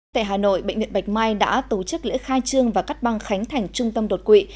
tại hà nội bệnh viện bạch mai đã tổ chức lễ khai trương và cắt băng khánh thành trung tâm đột quỵ